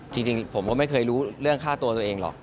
จริงผมก็ไม่เคยรู้เรื่องฆ่าตัวตัวเองหรอก